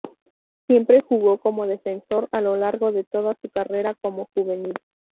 Siempre jugó como defensor a lo largo de toda su carrera como juvenil.